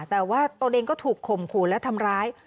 แต่ว่าตัวเองก็ถูกข่มขู่และทำร้าย